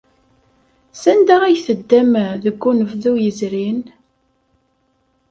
Sanda ay teddam deg unebdu yezrin?